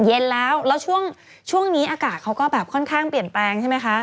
เย็นแล้วแล้วช่วงนี้อากาศเขาก็แบบค่อนข้างเปลี่ยนแปลงใช่ไหมคะ